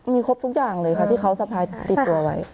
มีครบทุกอย่างเลยค่ะที่เขาสะพายติดตัวไว้